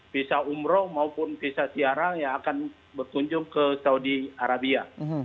visa umroh maupun visa siaran yang akan berkunjung ke saudi arabia